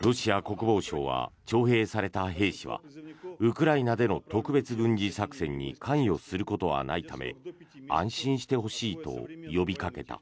ロシア国防省は徴兵された兵士はウクライナでの特別軍事作戦に関与することはないため安心してほしいと呼びかけた。